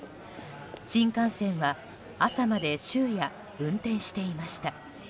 新幹線は朝まで終夜運転していました。